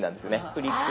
フリック。